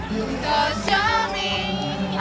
tunggu mereka tuh comeback